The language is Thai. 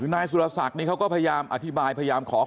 นายสุรษักรณ์นี้เขาก็พยายามอธิบายพยายามขอขอบคุณนะครับ